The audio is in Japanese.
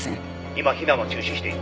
「今避難は中止している」